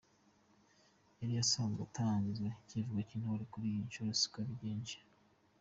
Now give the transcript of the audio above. yari asanzwe atangiza icyivugo cy’intore, kuri iyi nshuro siko abigenje.